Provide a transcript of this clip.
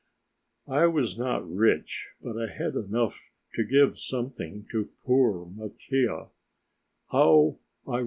I was not rich, but I had enough to give something to poor Mattia.